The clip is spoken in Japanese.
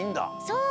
そう。